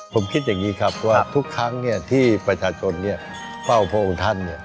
ผมคิดอย่างนี้ครับว่าทุกครั้งที่ประชาชนเฝ้าพระองค์ท่าน